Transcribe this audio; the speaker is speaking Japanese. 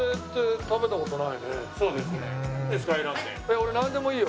俺なんでもいいよ。